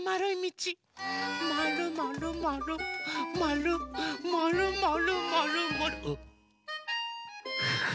まるまるまるまるまるまるまるまるあっ。